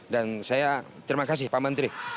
dan saya terima kasih pak menteri